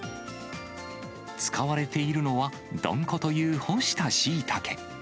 使われているのは、どんこという干したシイタケ。